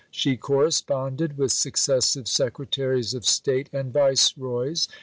She corresponded with successive Secretaries of State and Viceroys.